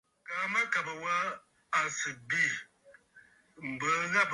Kaa mâkàbə̀ wa à sɨ̀ bê m̀bə ghâbə̀ ghâbə̀.